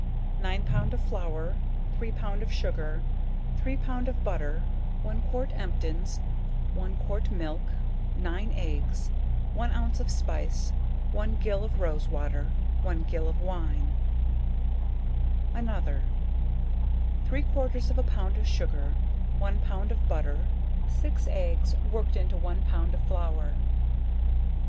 Nine pound of flour, 3 pound of sugar, 3 pound of butter, 1 quart emptins, 1 quart milk, 9 eggs, 1 ounce of spice, 1 gill of rose water, 1 gill of wine. Another. Three quarters of a pound of sugar, 1 pound of butter, 6 eggs work'd into 1 pound of flour.